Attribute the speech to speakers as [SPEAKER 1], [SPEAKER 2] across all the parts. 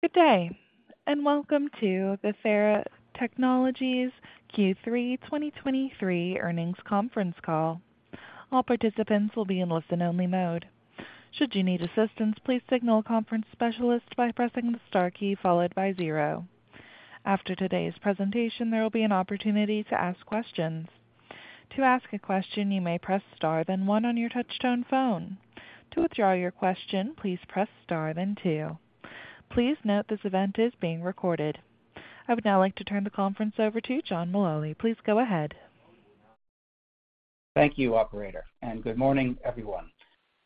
[SPEAKER 1] Good day, and welcome to the Theratechnologies Q3 2023 earnings conference call. All participants will be in listen-only mode. Should you need assistance, please signal a conference specialist by pressing the star key followed by zero. After today's presentation, there will be an opportunity to ask questions. To ask a question, you may press star, then one on your touchtone phone. To withdraw your question, please press star then two. Please note this event is being recorded. I would now like to turn the conference over to John Mullaly. Please go ahead.
[SPEAKER 2] Thank you, operator, and good morning, everyone.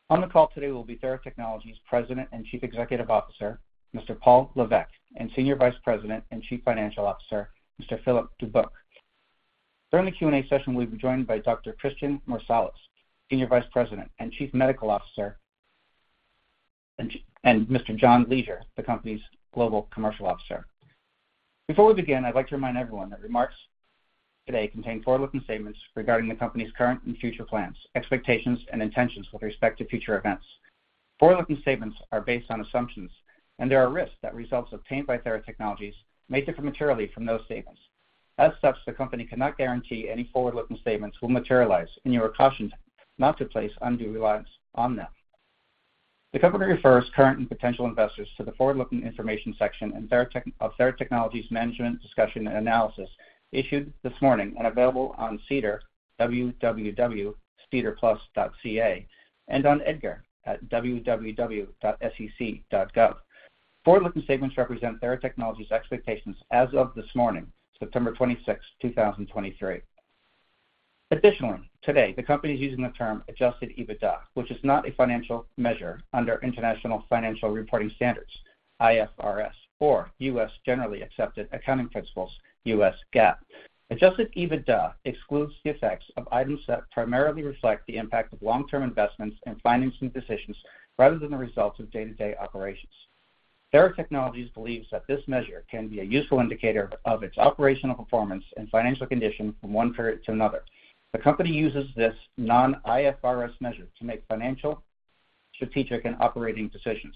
[SPEAKER 2] On the call today will be Theratechnologies President and Chief Executive Officer, Mr. Paul Lévesque, and Senior Vice President and Chief Financial Officer, Mr. Philippe Dubuc. During the Q&A session, we'll be joined by Dr. Christian Marsolais, Senior Vice President and Chief Medical Officer, and Mr. John Leasure, the company's Global Commercial Officer. Before we begin, I'd like to remind everyone that remarks today contain forward-looking statements regarding the company's current and future plans, expectations, and intentions with respect to future events. Forward-looking statements are based on assumptions, and there are risks that results obtained by Theratechnologies may differ materially from those statements. As such, the company cannot guarantee any forward-looking statements will materialize, and you are cautioned not to place undue reliance on them. The company refers current and potential investors to the forward-looking information section and Theratechnologies' management's discussion and analysis issued this morning and available on SEDAR, www.sedarplus.ca, and on EDGAR at www.sec.gov. Forward-looking statements represent Theratechnologies' expectations as of this morning, September 26, 2023. Additionally, today, the company is using the term Adjusted EBITDA, which is not a financial measure under International Financial Reporting Standards, IFRS, or U.S. Generally Accepted Accounting Principles, U.S. GAAP. Adjusted EBITDA excludes the effects of items that primarily reflect the impact of long-term investments and financing decisions rather than the results of day-to-day operations. Theratechnologies believes that this measure can be a useful indicator of its operational performance and financial condition from one period to another. The company uses this non-IFRS measure to make financial, strategic, and operating decisions.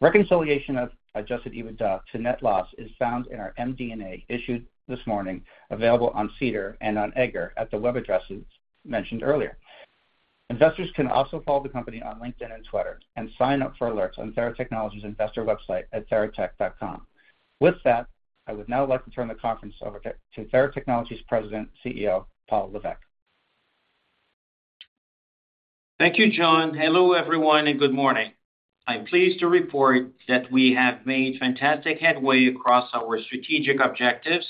[SPEAKER 2] Reconciliation of Adjusted EBITDA to net loss is found in our MD&A issued this morning, available on SEDAR and on EDGAR at the web addresses mentioned earlier. Investors can also follow the company on LinkedIn and Twitter and sign up for alerts on Theratechnologies' investor website at theratech.com. With that, I would now like to turn the conference over to Theratechnologies President and CEO, Paul Lévesque.
[SPEAKER 3] Thank you, John. Hello, everyone, and good morning. I'm pleased to report that we have made fantastic headway across our strategic objectives,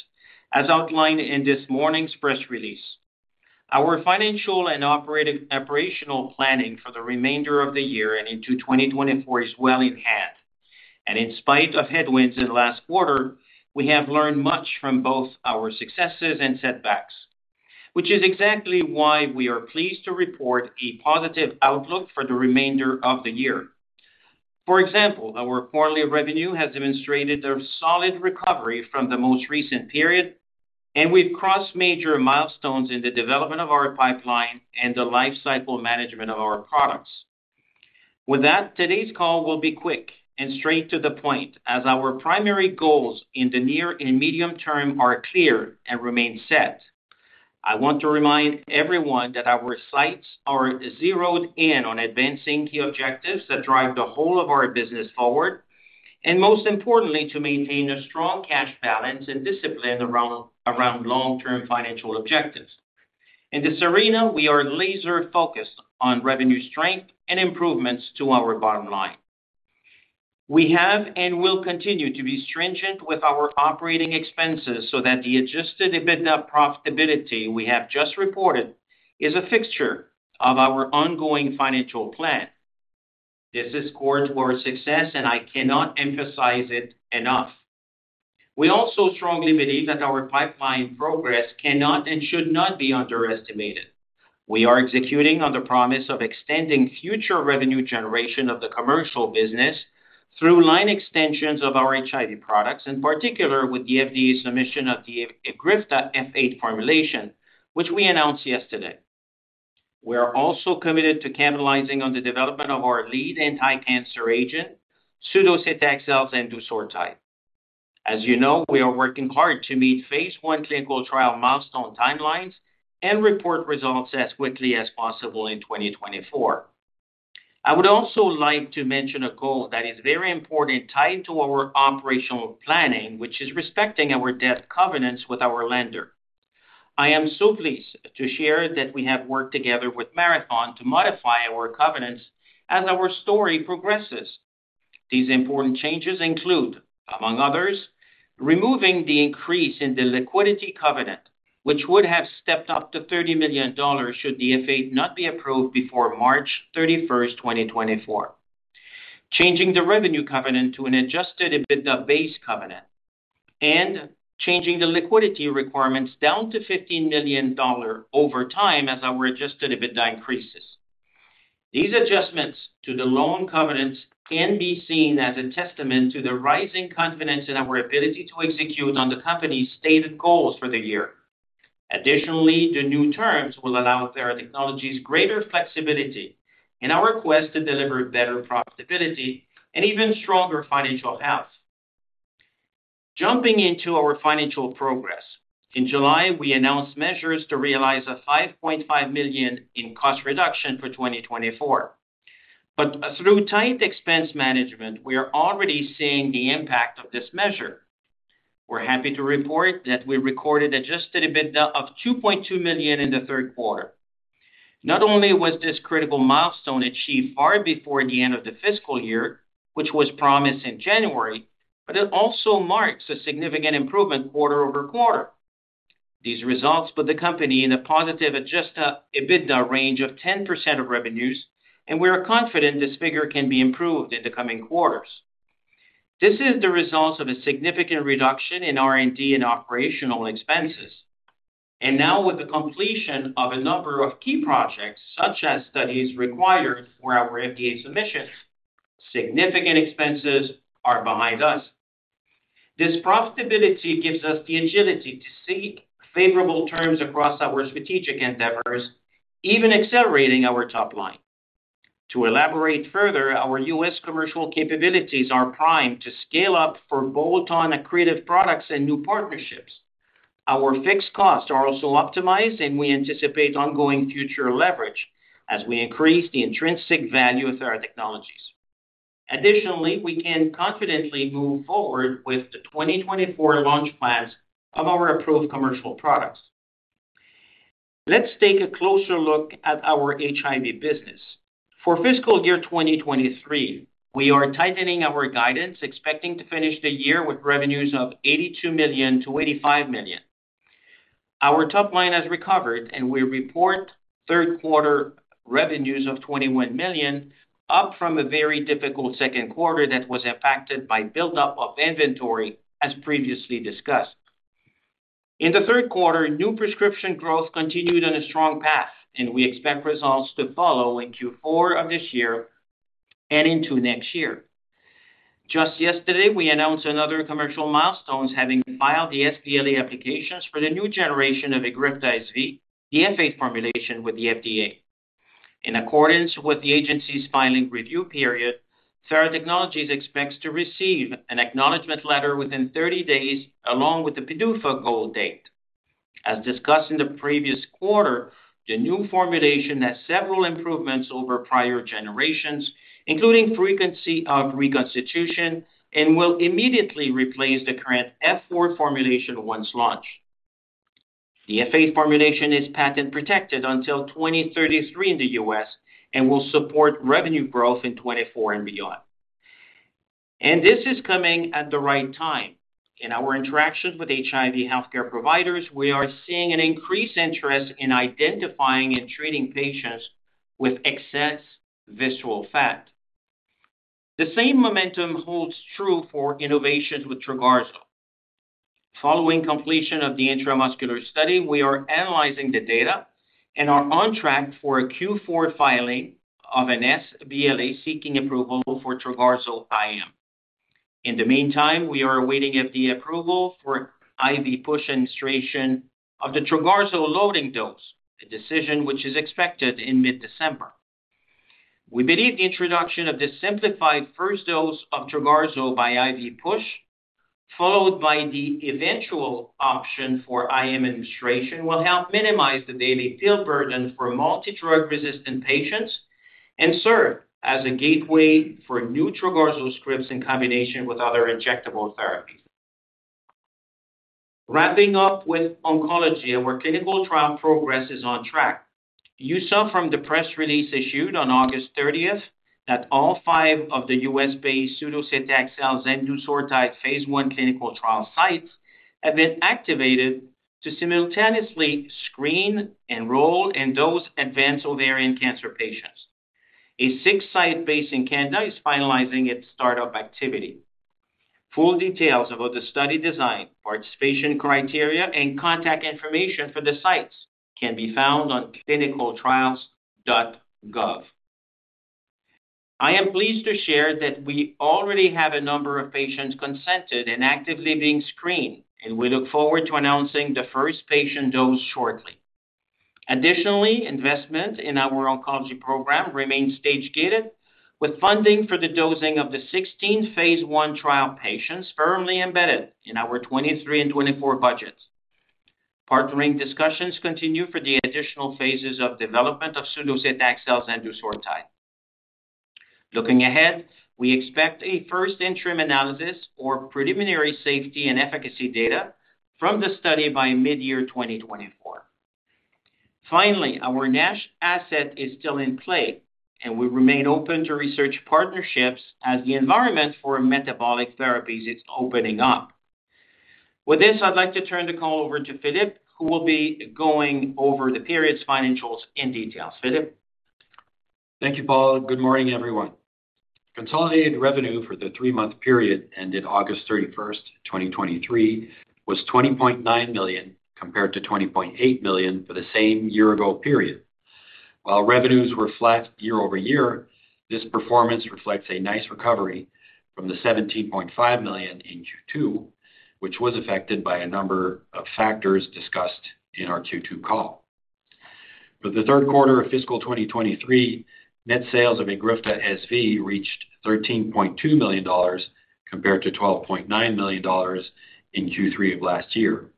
[SPEAKER 3] as outlined in this morning's press release. Our financial and operational planning for the remainder of the year and into 2024 is well in hand, and in spite of headwinds in the last quarter, we have learned much from both our successes and setbacks, which is exactly why we are pleased to report a positive outlook for the remainder of the year. For example, our quarterly revenue has demonstrated a solid recovery from the most recent period, and we've crossed major milestones in the development of our pipeline and the lifecycle management of our products. With that, today's call will be quick and straight to the point, as our primary goals in the near and medium term are clear and remain set. I want to remind everyone that our sights are zeroed in on advancing the objectives that drive the whole of our business forward, and most importantly, to maintain a strong cash balance and discipline around long-term financial objectives. In this arena, we are laser-focused on revenue strength and improvements to our bottom line. We have and will continue to be stringent with our operating expenses so that the Adjusted EBITDA profitability we have just reported is a fixture of our ongoing financial plan. This is core to our success, and I cannot emphasize it enough. We also strongly believe that our pipeline progress cannot and should not be underestimated. We are executing on the promise of extending future revenue generation of the commercial business through line extensions of our HIV products, in particular with the FDA submission of the EGRIFTA F8 formulation, which we announced yesterday. We are also committed to capitalizing on the development of our lead anticancer agent, sudocetaxel zendusortide. As you know, we are working hard to meet Phase 1 clinical trial milestone timelines and report results as quickly as possible in 2024. I would also like to mention a goal that is very important, tied to our operational planning, which is respecting our debt covenants with our lender. I am so pleased to share that we have worked together with Marathon to modify our covenants as our story progresses. These important changes include, among others, removing the increase in the liquidity covenant, which would have stepped up to $30 million should the F8 not be approved before March 31st, 2024. Changing the revenue covenant to an Adjusted EBITDA base covenant and changing the liquidity requirements down to $15 million over time as our Adjusted EBITDA increases. These adjustments to the loan covenants can be seen as a testament to the rising confidence in our ability to execute on the company's stated goals for the year. Additionally, the new terms will allow Theratechnologies greater flexibility in our quest to deliver better profitability and even stronger financial health. Jumping into our financial progress, in July, we announced measures to realize $5.5 million in cost reduction for 2024. But through tight expense management, we are already seeing the impact of this measure. We're happy to report that we recorded Adjusted EBITDA of $2.2 million in the third quarter. Not only was this critical milestone achieved far before the end of the fiscal year, which was promised in January, but it also marks a significant improvement quarter-over-quarter. These results put the company in a positive Adjusted EBITDA range of 10% of revenues, and we are confident this figure can be improved in the coming quarters. This is the result of a significant reduction in R&D and operational expenses. Now, with the completion of a number of key projects, such as studies required for our FDA submissions, significant expenses are behind us. This profitability gives us the agility to seek favorable terms across our strategic endeavors, even accelerating our top line. To elaborate further, our U.S. commercial capabilities are primed to scale up for bolt-on accretive products and new partnerships. Our fixed costs are also optimized, and we anticipate ongoing future leverage as we increase the intrinsic value of Theratechnologies. Additionally, we can confidently move forward with the 2024 launch plans of our approved commercial products. Let's take a closer look at our HIV business. For fiscal year 2023, we are tightening our guidance, expecting to finish the year with revenues of $82 million-$85 million. Our top line has recovered, and we report third quarter revenues of $21 million, up from a very difficult second quarter that was impacted by buildup of inventory, as previously discussed. In the third quarter, new prescription growth continued on a strong path, and we expect results to follow in Q4 of this year and into next year. Just yesterday, we announced another commercial milestone, having filed the sBLA applications for the new generation of EGRIFTA SV, the F8 formulation, with the FDA. In accordance with the agency's filing review period, Theratechnologies expects to receive an acknowledgment letter within 30 days, along with the PDUFA goal date. As discussed in the previous quarter, the new formulation has several improvements over prior generations, including frequency of reconstitution, and will immediately replace the current F8 formulation once launched. The F8 formulation is patent-protected until 2033 in the U.S. and will support revenue growth in 2024 and beyond. And this is coming at the right time. In our interactions with HIV healthcare providers, we are seeing an increased interest in identifying and treating patients with excess visceral fat. The same momentum holds true for innovations with Trogarzo. Following completion of the intramuscular study, we are analyzing the data and are on track for a Q4 filing of an sBLA, seeking approval for Trogarzo IM. In the meantime, we are awaiting FDA approval for IV push administration of the Trogarzo loading dose, a decision which is expected in mid-December. We believe the introduction of this simplified first dose of Trogarzo by IV push, followed by the eventual option for IM administration, will help minimize the daily pill burden for multi-drug-resistant patients and serve as a gateway for new Trogarzo scripts in combination with other injectable therapies. Wrapping up with oncology, where clinical trial progress is on track, you saw from the press release issued on August 30th that all five of the U.S.-based sudocetaxel zendusortide Phase I clinical trial sites have been activated to simultaneously screen, enroll, and dose advanced ovarian cancer patients. A sixth site based in Canada is finalizing its start-up activity. Full details about the study design, participation criteria, and contact information for the sites can be found on ClinicalTrials.gov. I am pleased to share that we already have a number of patients consented and actively being screened, and we look forward to announcing the first patient dose shortly. Additionally, investment in our oncology program remains stage-gated, with funding for the dosing of the 16 Phase 1 trial patients firmly embedded in our 2023 and 2024 budgets. Partnering discussions continue for the additional phases of development of sudocetaxel zendusortide. Looking ahead, we expect a first interim analysis or preliminary safety and efficacy data from the study by mid-year 2024. Finally, our NASH asset is still in play, and we remain open to research partnerships as the environment for metabolic therapies is opening up. With this, I'd like to turn the call over to Philippe, who will be going over the period's financials in detail. Philippe?
[SPEAKER 4] Thank you, Paul. Good morning, everyone. Consolidated revenue for the 3-month period ended August 31, 2023, was $20.9 million, compared to $20.8 million for the same year-ago period. While revenues were flat year-over-year, this performance reflects a nice recovery from the $17.5 million in Q2, which was affected by a number of factors discussed in our Q2 call. For the third quarter of fiscal 2023, net sales of EGRIFTA SV reached $13.2 million, compared to $12.9 million in Q3 of last year.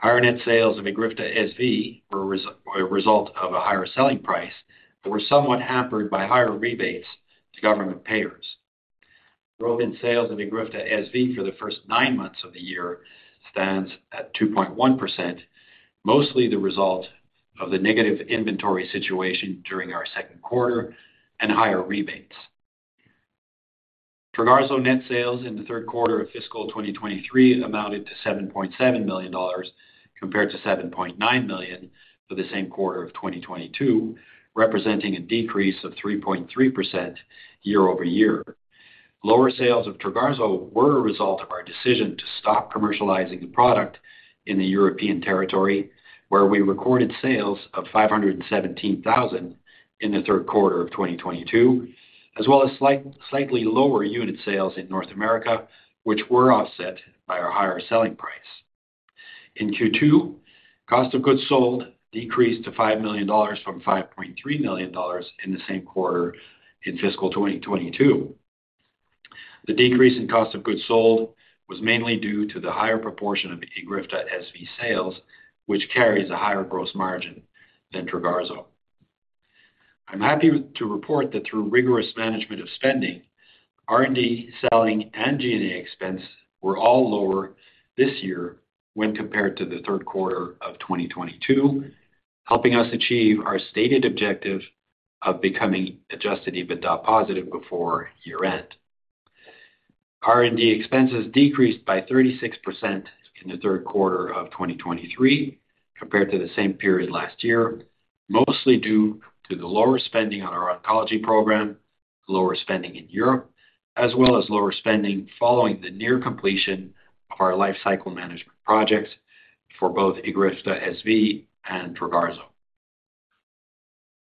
[SPEAKER 4] Higher net sales of EGRIFTA SV were a result of a higher selling price, but were somewhat hampered by higher rebates to government payers. Growth in sales of EGRIFTA SV for the first nine months of the year stands at 2.1%, mostly the result of the negative inventory situation during our second quarter and higher rebates. Trogarzo net sales in the third quarter of fiscal 2023 amounted to $7.7 million, compared to $7.9 million for the same quarter of 2022, representing a decrease of 3.3% year-over-year. Lower sales of Trogarzo were a result of our decision to stop commercializing the product in the European territory, where we recorded sales of $517,000 in the third quarter of 2022, as well as slightly lower unit sales in North America, which were offset by our higher selling price. In Q2, cost of goods sold decreased to $5 million from $5.3 million in the same quarter in fiscal 2022. The decrease in cost of goods sold was mainly due to the higher proportion of EGRIFTA SV sales, which carries a higher gross margin than Trogarzo. I'm happy to report that through rigorous management of spending, R&D, Selling, and G&A expenses were all lower this year when compared to the third quarter of 2022, helping us achieve our stated objective of becoming Adjusted EBITDA positive before year-end. R&D expenses decreased by 36% in the third quarter of 2023 compared to the same period last year, mostly due to the lower spending on our oncology program, lower spending in Europe, as well as lower spending following the near completion of our lifecycle management projects for both EGRIFTA SV and Trogarzo.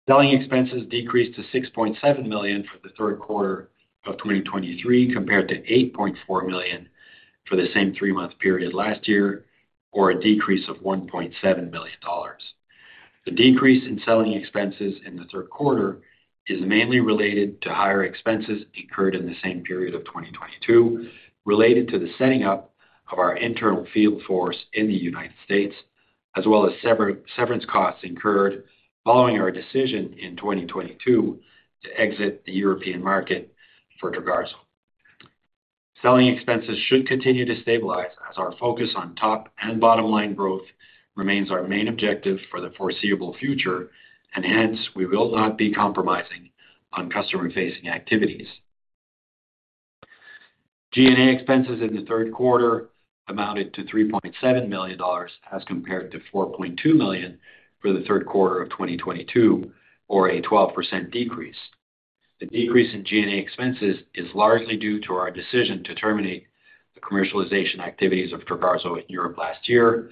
[SPEAKER 4] Selling expenses decreased to $6.7 million for the third quarter of 2023, compared to $8.4 million for the same three-month period last year, or a decrease of $1.7 million. The decrease in selling expenses in the third quarter is mainly related to higher expenses incurred in the same period of 2022, related to the setting up of our internal field force in the United States, as well as severance costs incurred following our decision in 2022 to exit the European market for Trogarzo. Selling expenses should continue to stabilize as our focus on top and bottom-line growth remains our main objective for the foreseeable future, and hence, we will not be compromising on customer-facing activities. G&A expenses in the third quarter amounted to $3.7 million, as compared to $4.2 million for the third quarter of 2022, or a 12% decrease. The decrease in G&A expenses is largely due to our decision to terminate the commercialization activities of Trogarzo in Europe last year,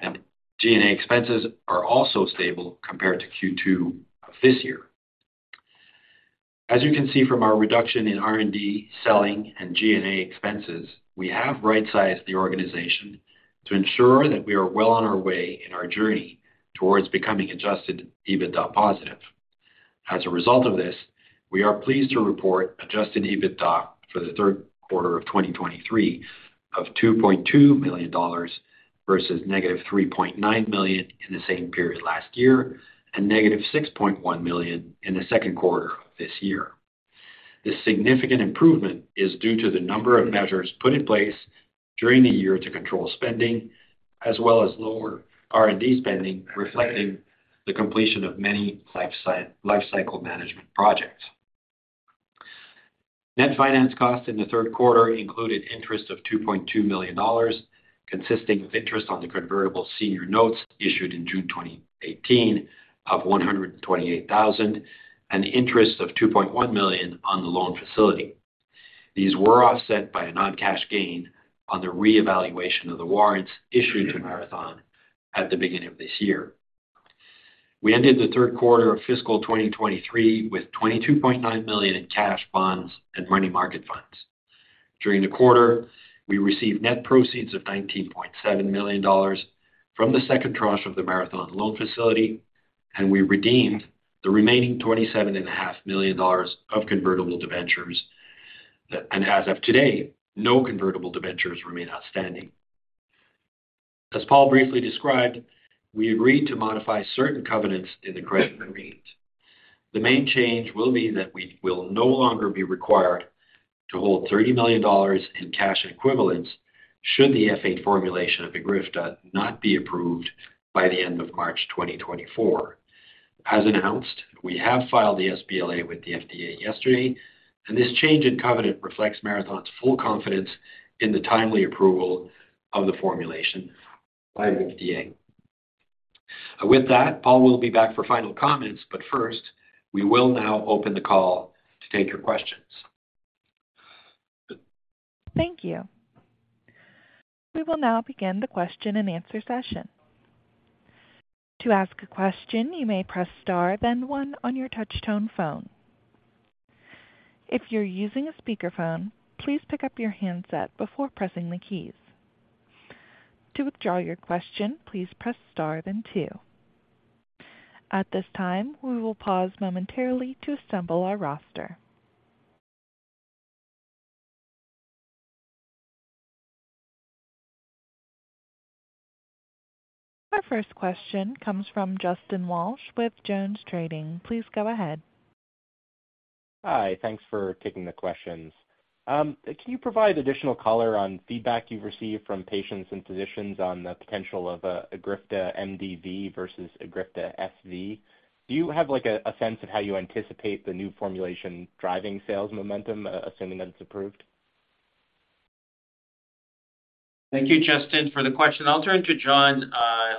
[SPEAKER 4] and G&A expenses are also stable compared to Q2 of this year. As you can see from our reduction in R&D, Selling, and G&A expenses, we have right-sized the organization to ensure that we are well on our way in our journey towards becoming Adjusted EBITDA positive. As a result of this, we are pleased to report Adjusted EBITDA for the third quarter of 2023 of $2.2 million versus -$3.9 million in the same period last year, and -$6.1 million in the second quarter of this year. This significant improvement is due to the number of measures put in place during the year to control spending, as well as lower R&D spending, reflecting the completion of many lifecycle management projects. Net finance costs in the third quarter included interest of $2.2 million, consisting of interest on the convertible senior notes issued in June 2018 of $128,000, and interest of $2.1 million on the loan facility. These were offset by a non-cash gain on the reevaluation of the warrants issued to Marathon at the beginning of this year. We ended the third quarter of fiscal 2023 with $22.9 million in cash, bonds, and money market funds. During the quarter, we received net proceeds of $19.7 million from the second tranche of the Marathon loan facility, and we redeemed the remaining $27.5 million of convertible debentures. And as of today, no convertible debentures remain outstanding. As Paul briefly described, we agreed to modify certain covenants in the credit agreement. The main change will be that we will no longer be required to hold $30 million in cash equivalents should the F8 formulation of EGRIFTA not be approved by the end of March 2024. As announced, we have filed the sBLA with the FDA yesterday, and this change in covenant reflects Marathon's full confidence in the timely approval of the formulation by the FDA. With that, Paul will be back for final comments, but first, we will now open the call to take your questions.
[SPEAKER 1] Thank you. We will now begin the question-and-answer session. To ask a question, you may press star, then one on your touchtone phone. If you're using a speakerphone, please pick up your handset before pressing the keys. To withdraw your question, please press star, then two. At this time, we will pause momentarily to assemble our roster. Our first question comes from Justin Walsh with JonesTrading. Please go ahead.
[SPEAKER 5] Hi, thanks for taking the questions. Can you provide additional color on feedback you've received from patients and physicians on the potential of EGRIFTA MDV versus EGRIFTA SV? Do you have, like, a sense of how you anticipate the new formulation driving sales momentum, assuming that it's approved?
[SPEAKER 3] Thank you, Justin, for the question. I'll turn to John,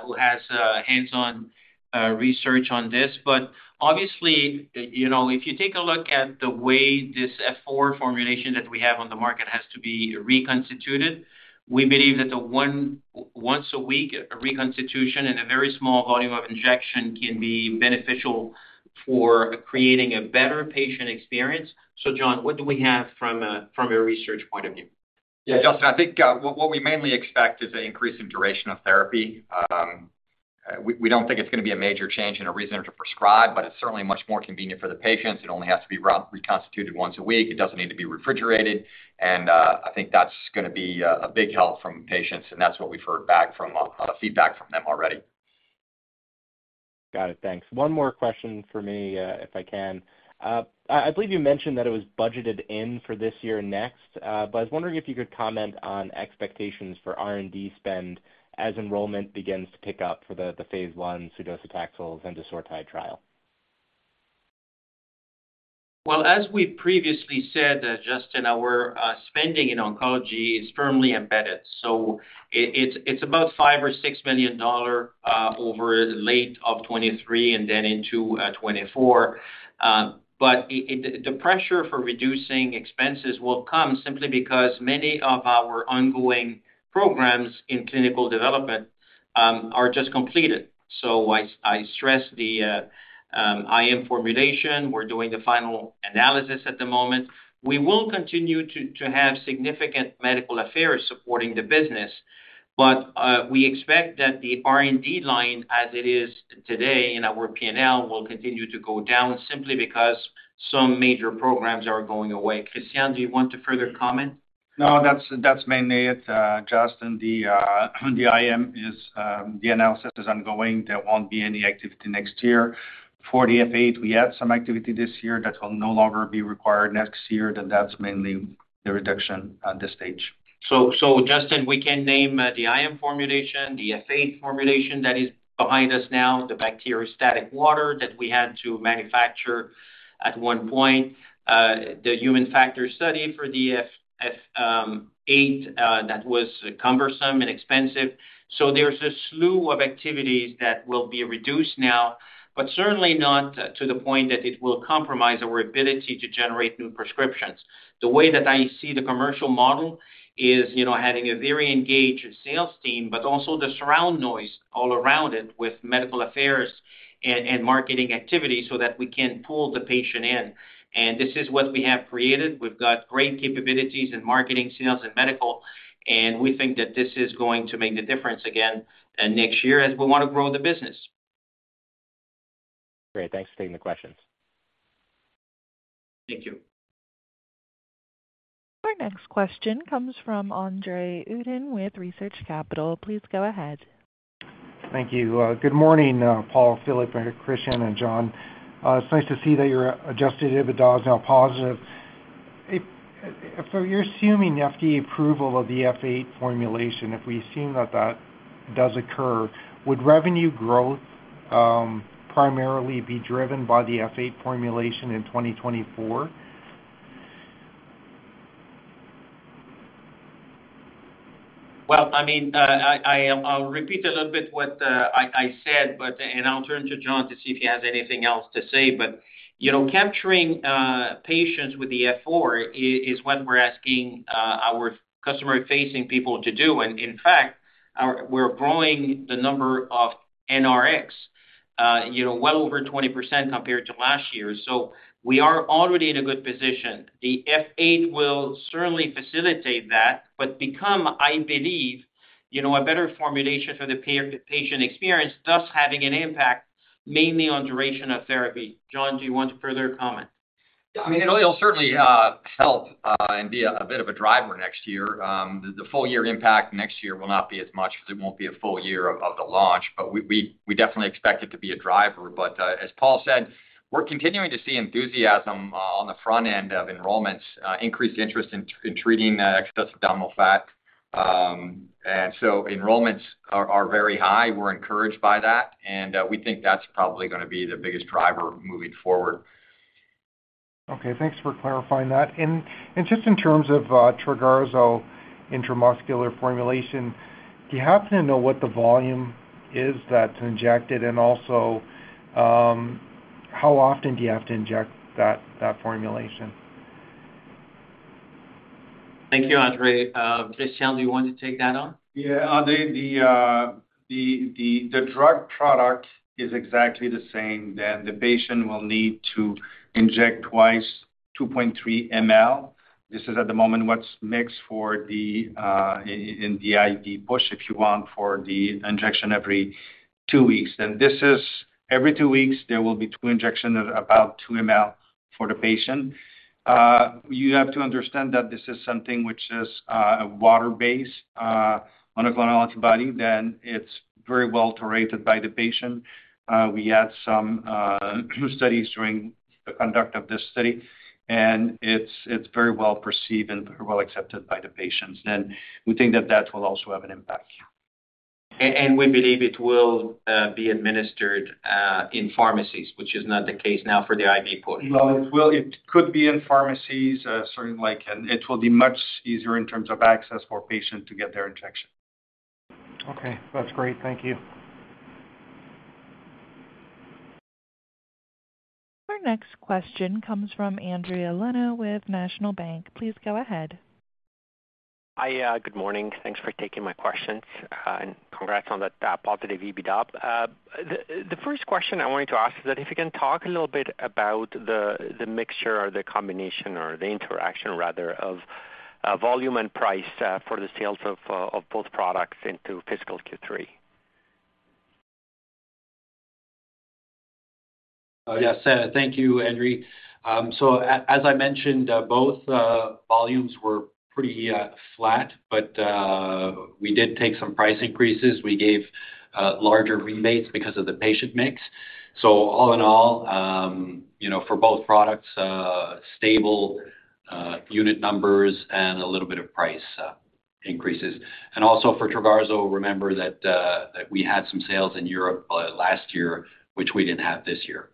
[SPEAKER 3] who has hands-on research on this, but obviously, you know, if you take a look at the way this F8 formulation that we have on the market has to be reconstituted, we believe that once a week reconstitution and a very small volume of injection can be beneficial for creating a better patient experience. So John, what do we have from a research point of view?
[SPEAKER 6] Yeah, Justin, I think what we mainly expect is an increase in duration of therapy. We don't think it's gonna be a major change and a reason to prescribe, but it's certainly much more convenient for the patients. It only has to be reconstituted once a week. It doesn't need to be refrigerated, and I think that's gonna be a big help from patients, and that's what we've heard back from feedback from them already.
[SPEAKER 5] Got it. Thanks. One more question from me, if I can. I believe you mentioned that it was budgeted in for this year and next, but I was wondering if you could comment on expectations for R&D spend as enrollment begins to pick up for the Phase 1 sudocetaxel zendusortide trial.
[SPEAKER 3] Well, as we previously said, Justin, our spending in oncology is firmly embedded, so it's about $5 million-$6 million over the latter half of 2023 and then into 2024. But the pressure for reducing expenses will come simply because many of our ongoing programs in clinical development are just completed. So I stress the IM formulation. We're doing the final analysis at the moment. We will continue to have significant medical affairs supporting the business, but we expect that the R&D line, as it is today in our P&L, will continue to go down simply because some major programs are going away. Christian, do you want to further comment?
[SPEAKER 7] No, that's, that's mainly it, Justin. The IM, the analysis is ongoing. There won't be any activity next year. For the F8, we had some activity this year that will no longer be required next year, then that's mainly the reduction at this stage.
[SPEAKER 3] So, Justin, we can name the IM formulation, the F8 formulation that is behind us now, the bacteriostatic water that we had to manufacture at one point, the human factor study for the F8, that was cumbersome and expensive. So there's a slew of activities that will be reduced now, but certainly not to the point that it will compromise our ability to generate new prescriptions. The way that I see the commercial model is, you know, having a very engaged sales team, but also the surrounding noise all around it with medical affairs and marketing activities so that we can pull the patient in, and this is what we have created. We've got great capabilities in marketing, sales, and medical, and we think that this is going to make the difference again and next year as we want to grow the business.
[SPEAKER 5] Great. Thanks for taking the questions.
[SPEAKER 3] Thank you.
[SPEAKER 1] Our next question comes from Andre Uddin with Research Capital. Please go ahead.
[SPEAKER 8] Thank you. Good morning, Paul, Philippe, Christian, and John. It's nice to see that your Adjusted EBITDA is now positive. So you're assuming the FDA approval of the F8 formulation. If we've seen that that does occur, would revenue growth primarily be driven by the F8 formulation in 2024?
[SPEAKER 3] Well, I mean, I'll repeat a little bit what, I said, but, and I'll turn to John to see if he has anything else to say. But, you know, capturing patients with the F8 is what we're asking our customer-facing people to do. And in fact, we're growing the number of NRX, you know, well over 20% compared to last year. So we are already in a good position. The F8 will certainly facilitate that, but become, I believe, you know, a better formulation for the patient experience, thus having an impact mainly on duration of therapy. John, do you want to further comment?
[SPEAKER 6] Yeah, I mean, it'll certainly help and be a bit of a driver next year. The full year impact next year will not be as much because it won't be a full year of the launch, but we definitely expect it to be a driver. But as Paul said, we're continuing to see enthusiasm on the front end of enrollments, increased interest in treating that excess abdominal fat. And so enrollments are very high. We're encouraged by that, and we think that's probably gonna be the biggest driver moving forward.
[SPEAKER 8] Okay, thanks for clarifying that. And just in terms of, Trogarzo intramuscular formulation, do you happen to know what the volume is that's injected? And also, how often do you have to inject that formulation?
[SPEAKER 3] Thank you, Andre. Christian, do you want to take that on?
[SPEAKER 9] Yeah, Andre, the drug product is exactly the same, and the patient will need to inject twice, 2.3 ml. This is, at the moment, what's mixed for the in the IV push, if you want, for the injection every two weeks. Then this is every two weeks, there will be two injections of about 2 ml for the patient. You have to understand that this is something which is a water-based monoclonal antibody, then it's very well tolerated by the patient. We had some studies during the conduct of this study, and it's very well perceived and very well accepted by the patients. And we think that will also have an impact. We believe it will be administered in pharmacies, which is not the case now for the IV Push. Well, it will, it could be in pharmacies, sort of like, and it will be much easier in terms of access for patients to get their injection.
[SPEAKER 8] Okay, that's great. Thank you.
[SPEAKER 1] Our next question comes from Endri Leno with National Bank. Please go ahead.
[SPEAKER 10] Hi, good morning. Thanks for taking my question, and congrats on the. The first question I wanted to ask is that if you can talk a little bit about the mixture or the combination or the interaction rather of volume and price for the sales of both products into fiscal Q3.
[SPEAKER 4] Oh, yes. Thank you, André. So as I mentioned, both volumes were pretty flat, but we did take some price increases. We gave larger rebates because of the patient mix. So all in all, you know, for both products, stable unit numbers and a little bit of price increases. And also for Trogarzo, remember that that we had some sales in Europe last year, which we didn't have this year.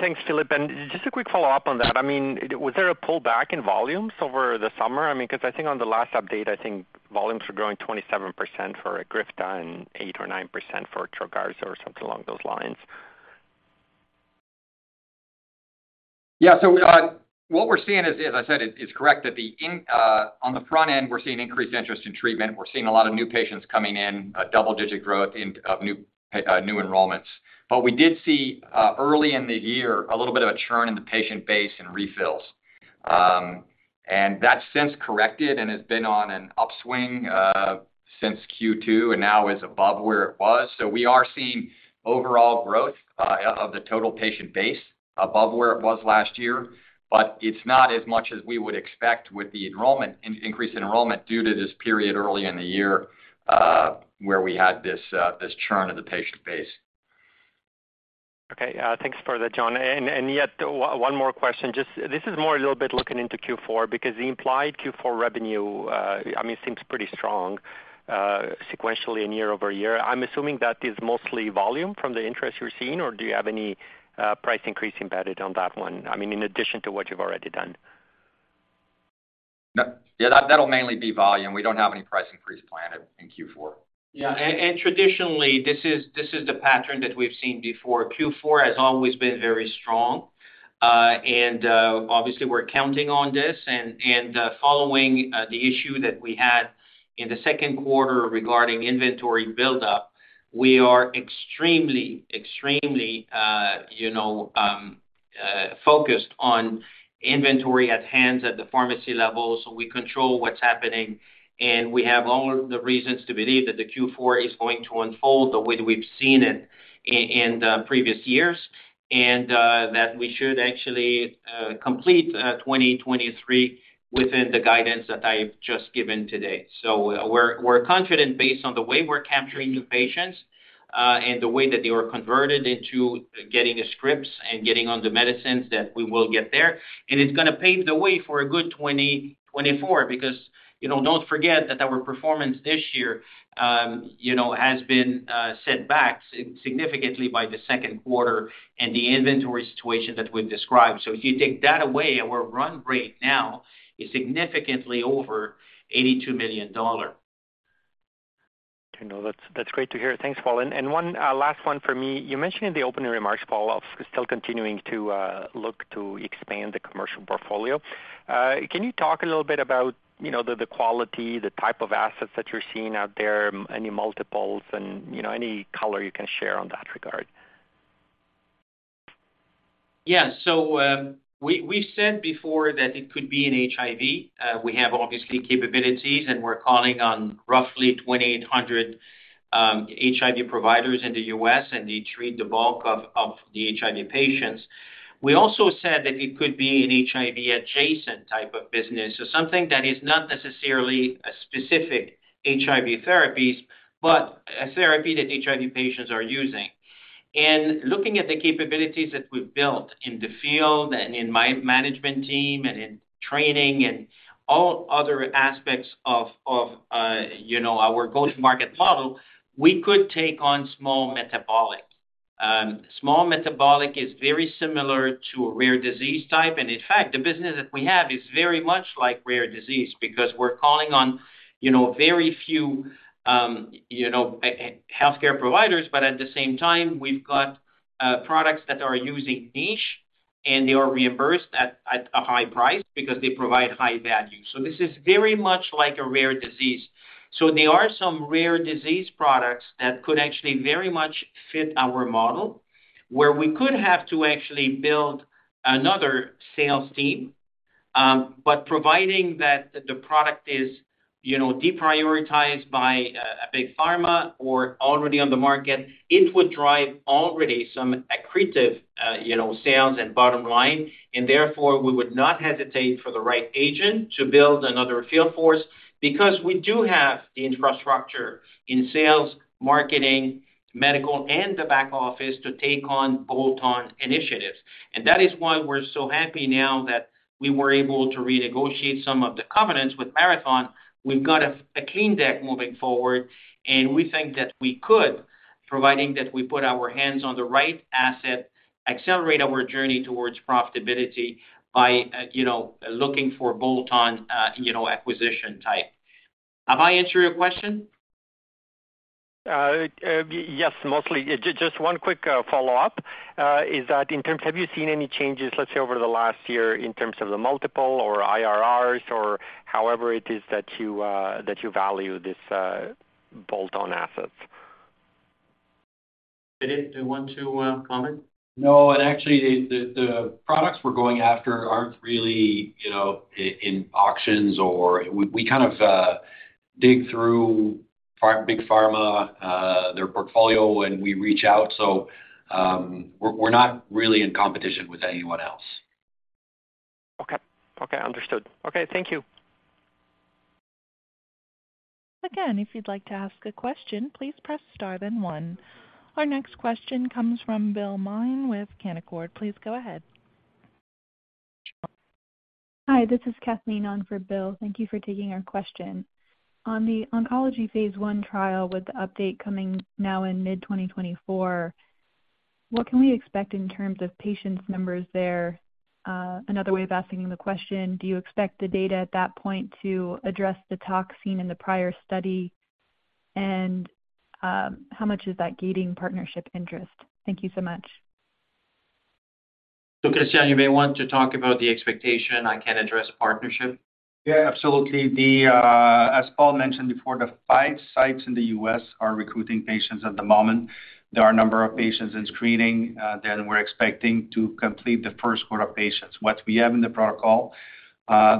[SPEAKER 10] Thanks, Philippe. And just a quick follow-up on that. I mean, was there a pullback in volumes over the summer? I mean, 'cause I think on the last update, I think volumes were growing 27% for EGRIFTA and 8% or 9% for Trogarzo, or something along those lines.
[SPEAKER 6] Yeah, so, what we're seeing is, as I said, it is correct that in, on the front end, we're seeing increased interest in treatment. We're seeing a lot of new patients coming in, double-digit growth in new enrollments. But we did see early in the year, a little bit of a churn in the patient base and refills. And that since corrected and has been on an upswing since Q2, and now is above where it was. So we are seeing overall growth of the total patient base above where it was last year, but it's not as much as we would expect with the increased enrollment due to this period early in the year where we had this churn of the patient base.
[SPEAKER 10] Okay, thanks for that, John. And yet, one more question. Just this is more a little bit looking into Q4, because the implied Q4 revenue, I mean, seems pretty strong, sequentially and year-over-year. I'm assuming that is mostly volume from the interest you're seeing, or do you have any price increase embedded on that one, I mean, in addition to what you've already done?
[SPEAKER 6] No. Yeah, that, that'll mainly be volume. We don't have any price increase planned in Q4.
[SPEAKER 3] Yeah, and traditionally, this is the pattern that we've seen before. Q4 has always been very strong. Obviously, we're counting on this, and following the issue that we had in the second quarter regarding inventory buildup, we are extremely, extremely, you know, focused on inventory at hand at the pharmacy level, so we control what's happening. And we have all the reasons to believe that the Q4 is going to unfold the way that we've seen it in the previous years, and that we should actually complete 2023 within the guidance that I've just given today. So we're confident based on the way we're capturing new patients and the way that they were converted into getting the scripts and getting on the medicines, that we will get there. It's gonna pave the way for a good 2024, because, you know, don't forget that our performance this year, you know, has been set back significantly by the second quarter and the inventory situation that we've described. If you take that away, our run rate now is significantly over $82 million.
[SPEAKER 10] You know, that's, that's great to hear. Thanks, Paul. And one last one for me. You mentioned in the opening remarks, Paul, of still continuing to look to expand the commercial portfolio. Can you talk a little bit about, you know, the, the quality, the type of assets that you're seeing out there, any multiples and, you know, any color you can share on that regard?
[SPEAKER 3] Yeah. So, we've said before that it could be in HIV. We have obviously capabilities, and we're calling on roughly 2,800 HIV providers in the U.S., and they treat the bulk of the HIV patients. We also said that it could be an HIV-adjacent type of business, so something that is not necessarily a specific HIV therapies, but a therapy that HIV patients are using. And looking at the capabilities that we've built in the field and in my management team and in training and all other aspects of you know, our go-to-market model, we could take on small metabolic. Small metabolic is very similar to a rare disease type, and in fact, the business that we have is very much like rare disease because we're calling on you know, very few healthcare providers. But at the same time, we've got products that are using niche and they are reimbursed at a high price because they provide high value. So this is very much like a rare disease. So there are some rare disease products that could actually very much fit our model, where we could have to actually build another sales team. But providing that the product is, you know, deprioritized by a big pharma or already on the market, it would drive already some accretive, you know, sales and bottom line, and therefore we would not hesitate for the right agent to build another field force. Because we do have the infrastructure in sales, marketing, medical, and the back office to take on bolt-on initiatives. And that is why we're so happy now that we were able to renegotiate some of the covenants with Marathon. We've got a clean deck moving forward, and we think that we could, providing that we put our hands on the right asset, accelerate our journey towards profitability by, you know, looking for bolt-on, you know, acquisition type. Have I answered your question?
[SPEAKER 10] Yes, mostly. Just one quick follow-up. Is that in terms, have you seen any changes, let's say, over the last year in terms of the multiple or IRRs or however it is that you that you value this bolt-on assets?
[SPEAKER 3] Did you want to comment?
[SPEAKER 4] No, and actually, the products we're going after aren't really, you know, in auctions or we kind of dig through big pharma, their portfolio, and we reach out, so, we're not really in competition with anyone else.
[SPEAKER 10] Okay. Okay, understood. Okay, thank you.
[SPEAKER 1] Again, if you'd like to ask a question, please press star, then one. Our next question comes from Bill Miner with Canaccord. Please go ahead.
[SPEAKER 11] Hi, this is Kathleen on for Bill. Thank you for taking our question. On the oncology Phase 1 trial, with the update coming now in mid-2024, what can we expect in terms of patient numbers there? Another way of asking the question, do you expect the data at that point to address the toxin in the prior study? And, how much is that gating partnership interest? Thank you so much.
[SPEAKER 3] So, Christian, you may want to talk about the expectation. I can address partnership.
[SPEAKER 9] Yeah, absolutely. The, as Paul mentioned before, the five sites in the U.S. are recruiting patients at the moment. There are a number of patients in screening, then we're expecting to complete the first cohort of patients. What we have in the protocol,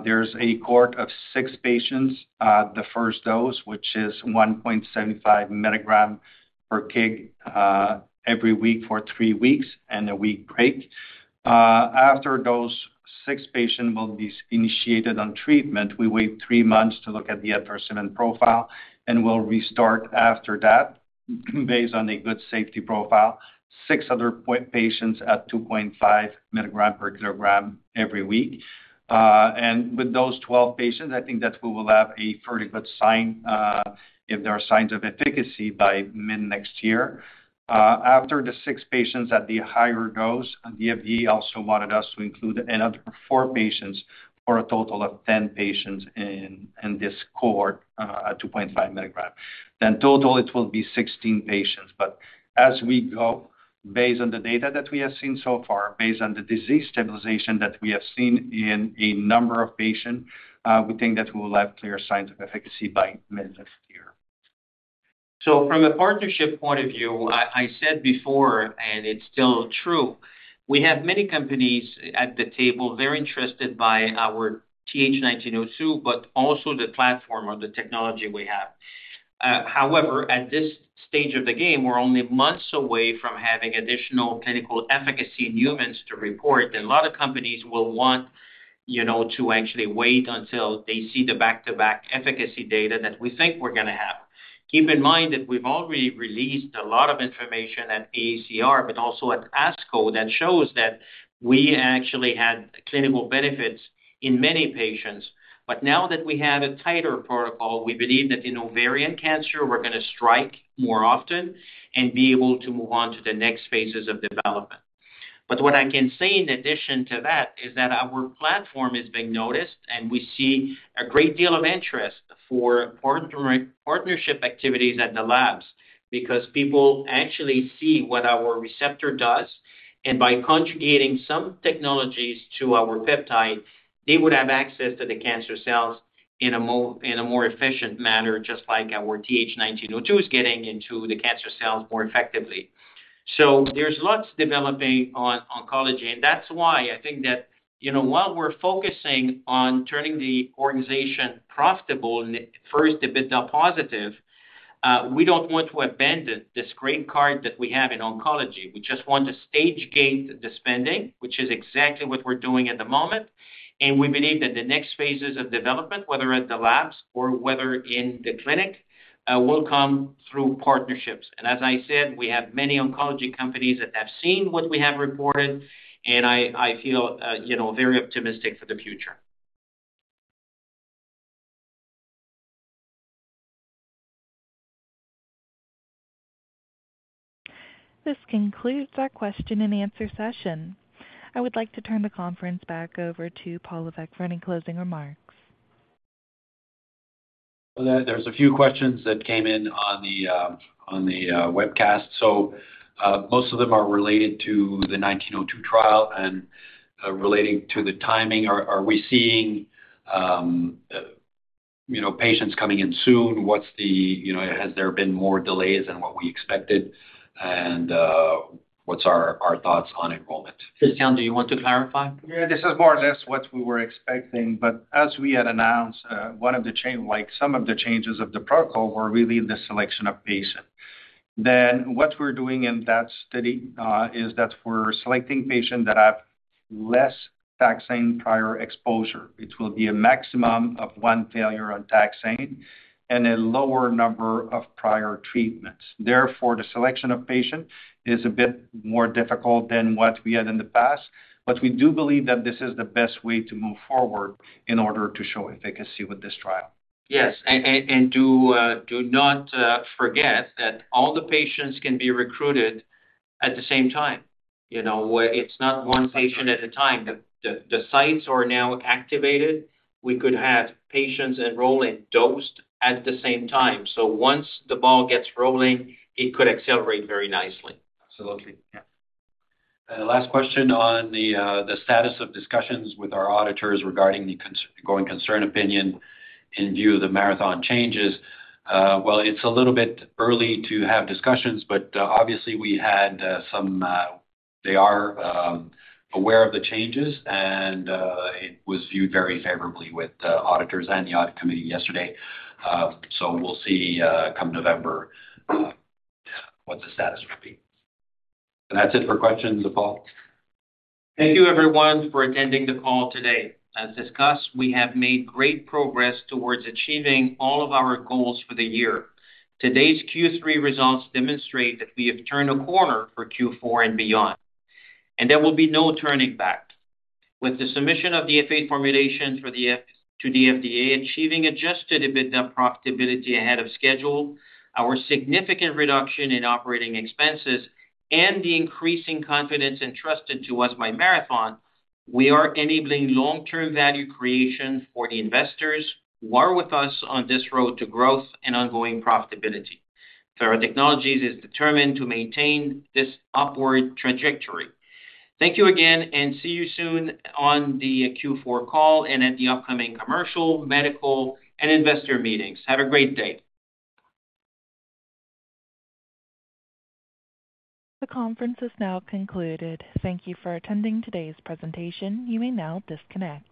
[SPEAKER 9] there's a cohort of six patients, the first dose, which is 1.75 milligram per kg, every week for three weeks, and a week break. After those six patients will be initiated on treatment, we wait three months to look at the adverse event profile, and we'll restart after that, based on a good safety profile, six other patients at 2.5 milligram per kg every week. And with those 12 patients, I think that we will have a fairly good sign, if there are signs of efficacy by mid-next year. After the six patients at the higher dose, the [FDA] also wanted us to include another four patients, for a total of 10 patients in this cohort at 2.5 milligrams. Total, it will be 16 patients. But as we go, based on the data that we have seen so far, based on the disease stabilization that we have seen in a number of patients, we think that we will have clear signs of efficacy by mid next year.
[SPEAKER 3] So from a partnership point of view, I said before, and it's still true, we have many companies at the table, very interested by our TH1902, but also the platform or the technology we have. However, at this stage of the game, we're only months away from having additional clinical efficacy in humans to report, and a lot of companies will want, you know, to actually wait until they see the back-to-back efficacy data that we think we're gonna have. Keep in mind that we've already released a lot of information at AACR, but also at ASCO, that shows that we actually had clinical benefits in many patients. But now that we have a tighter protocol, we believe that in ovarian cancer, we're gonna strike more often and be able to move on to the next phases of development. But what I can say in addition to that, is that our platform is being noticed, and we see a great deal of interest for partnership activities at the labs. Because people actually see what our receptor does, and by conjugating some technologies to our peptide, they would have access to the cancer cells in a more efficient manner, just like our TH1902 is getting into the cancer cells more effectively. So there's lots developing on oncology, and that's why I think that, you know, while we're focusing on turning the organization profitable and first, EBITDA positive, we don't want to abandon this great card that we have in oncology. We just want to stage-gate the spending, which is exactly what we're doing at the moment, and we believe that the next phases of development, whether at the labs or whether in the clinic, will come through partnerships. And as I said, we have many oncology companies that have seen what we have reported, and I feel, you know, very optimistic for the future.
[SPEAKER 1] This concludes our question and answer session. I would like to turn the conference back over to Paul Lévesque for any closing remarks.
[SPEAKER 3] There, there's a few questions that came in on the webcast. So, most of them are related to the TH1902 trial and relating to the timing. Are we seeing, you know, patients coming in soon? What's the, you know, has there been more delays than what we expected? And, what's our thoughts on enrollment? Christian, do you want to clarify?
[SPEAKER 9] Yeah, this is more or less what we were expecting, but as we had announced, one of the main, like some of the changes of the protocol, were really the selection of patients. Then what we're doing in that study is that we're selecting patients that have less taxane prior exposure. It will be a maximum of one failure on taxane and a lower number of prior treatments. Therefore, the selection of patients is a bit more difficult than what we had in the past, but we do believe that this is the best way to move forward in order to show efficacy with this trial.
[SPEAKER 3] Yes, do not forget that all the patients can be recruited at the same time. You know, it's not one patient at a time. The sites are now activated. We could have patients enrolling, dosed at the same time. So once the ball gets rolling, it could accelerate very nicely.
[SPEAKER 9] Absolutely. Yeah.
[SPEAKER 4] The last question on the status of discussions with our auditors regarding the going concern opinion in view of the Marathon changes. Well, it's a little bit early to have discussions, but obviously we had some. They are aware of the changes, and it was viewed very favorably with auditors and the audit committee yesterday. So we'll see, come November, what the status will be. That's it for questions, Paul.
[SPEAKER 3] Thank you, everyone, for attending the call today. As discussed, we have made great progress towards achieving all of our goals for the year. Today's Q3 results demonstrate that we have turned a corner for Q4 and beyond, and there will be no turning back. With the submission of the sBLA for the F8 formulation to the FDA, achieving Adjusted EBITDA profitability ahead of schedule, our significant reduction in operating expenses, and the increasing confidence entrusted to us by Marathon, we are enabling long-term value creation for the investors who are with us on this road to growth and ongoing profitability. Theratechnologies is determined to maintain this upward trajectory. Thank you again, and see you soon on the Q4 call and at the upcoming commercial, medical, and investor meetings. Have a great day.
[SPEAKER 1] The conference is now concluded. Thank you for attending today's presentation. You may now disconnect.